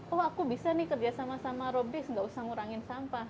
oh aku bisa nih kerjasama sama robdes nggak usah ngurangin sampah